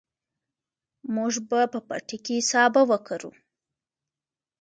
موږ به په پټي کې سابه وکرو.